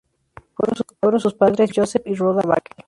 Fueron sus padres Joseph y Rhoda Baker.